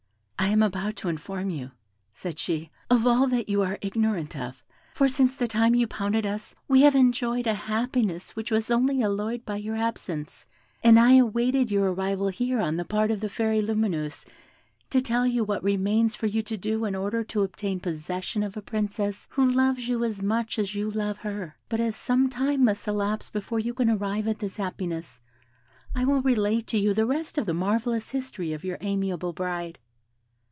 "I am about to inform you," said she, "of all that you are ignorant of; for since the time you pounded us, we have enjoyed a happiness which was only alloyed by your absence, and I awaited your arrival here on the part of the Fairy Lumineuse, to tell you what remains for you to do in order to obtain possession of a Princess who loves you as much as you love her. But as some time must elapse before you can arrive at this happiness, I will relate to you the rest of the marvellous history of your amiable bride."